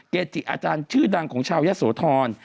เกจิอาจารย์ชื่อดังของชาวยะโสธร